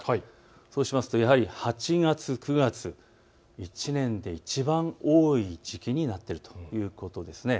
そうしますと、やはり８月、９月、１年でいちばん多い時期になっているということですね。